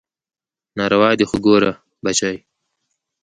ناروا دي خو ګوره بچى.